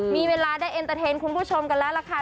มีเวลาได้อินเตอร์เทนท์คุณผู้ชมกำลักละค่ะ